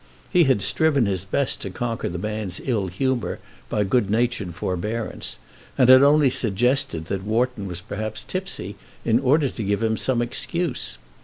He had striven his best to conquer the man's ill humour by good natured forbearance, and had only suggested that Wharton was perhaps tipsy in order to give him some excuse.